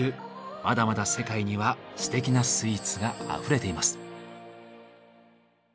まだまだ世界にはすてきなスイーツがあふれています。